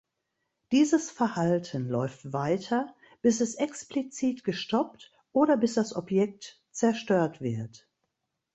Dieses Verhalten läuft weiter, bis es explizit gestoppt oder bis das Objekt zerstört wird.